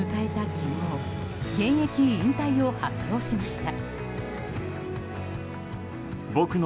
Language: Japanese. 昨日現役引退を発表しました。